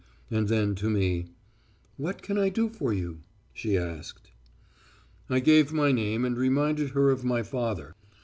And then to me 'What can I do for you?' she added. "I gave my name and reminded her of my father.